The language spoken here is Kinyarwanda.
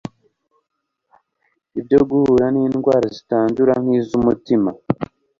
ibyo guhura n'indwara zitandura nk'iz'umutima